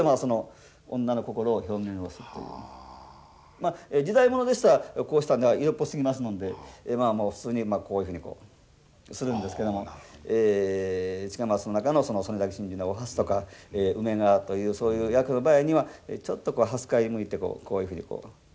まあ時代物でしたらこうしたんでは色っぽすぎますのんでまあ普通にこういうふうにこうするんですけれども近松の中の「曾根崎心中」のお初とか梅川というそういう役の場合にはちょっとはすかいに向いてこういうふうにこう。